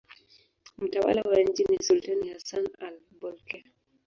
Mtawala wa nchi ni sultani Hassan al-Bolkiah.